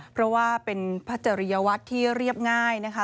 เพราะว่าเป็นพระจริยวัตรที่เรียบง่ายนะคะ